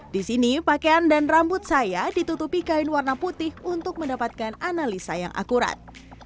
di sini pakaian dan rambut saya ditutupi kain warna putih untuk mendapatkan analisa yang akurat